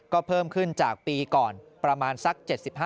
ก็เพิ่มขึ้นจากปีก่อนประมาณสัก๗๕